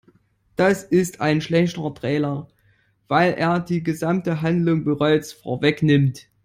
Das ist ein schlechter Trailer, weil er die gesamte Handlung bereits vorwegnimmt.